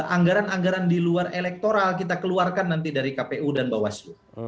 anggaran anggaran di luar elektoral kita keluarkan nanti dari kpu dan bawaslu